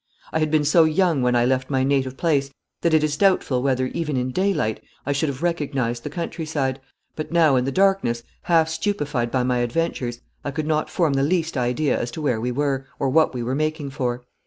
I had been so young when I left my native place that it is doubtful whether, even in daylight, I should have recognised the countryside, but now in the darkness, half stupefied by my adventures, I could not form the least idea as to where we were or what we were making for.